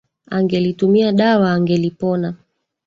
Angelitumia dawa angelipona.